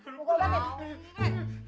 jangan lari kapas diam